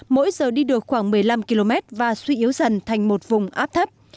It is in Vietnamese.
mỗi giờ đi được khoảng một mươi năm km và suy yếu dần thành một vùng áp thấp